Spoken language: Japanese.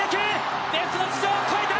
レフトの頭上を越えた！